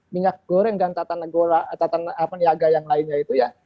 minyak goreng dan tata negara tata apa niaga yang lainnya itu ya